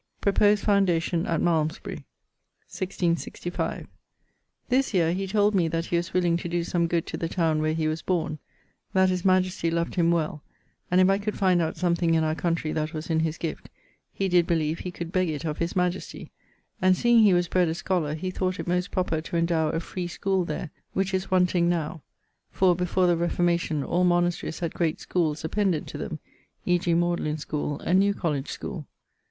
<_Proposed foundation at Malmsbury._> 1665. This yeare he told me that he was willing to doe some good to the towne where he was borne; that his majestie loved him well, and if I could find out something in our countrey that was in his guift, he did beleeve he could beg it of his majestie, and seeing he was bred a scholar, he thought it most proper to endowe a free schoole there; which is wanting _now_[CXVII.] (for, before the reformation, all monasteries had great schooles appendant to them; e.g. Magdalen schoole and New College schoole).